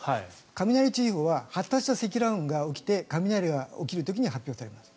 雷注意報は発達した積乱雲が起きて雷が起きる時に発表されます。